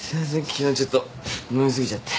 昨日ちょっと飲み過ぎちゃって。